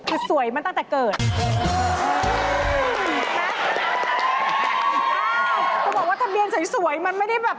เขาบอกว่าทะเบียนใช้สวยมันไม่ได้แบบ